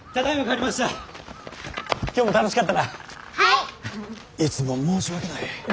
いつも申し訳ない。